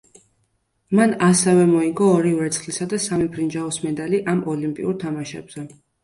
მან ასევე მოიგო ორი ვერცხლისა და სამი ბრინჯაოს მედალი ამ ოლიმპიურ თამაშებზე.